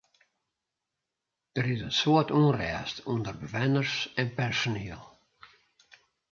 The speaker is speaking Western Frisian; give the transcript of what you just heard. Der is in soad ûnrêst ûnder bewenners en personiel.